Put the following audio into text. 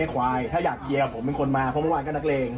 ควายถ้าอยากเชียร์ผมเป็นคนมาเพราะเมื่อวานก็นักเลง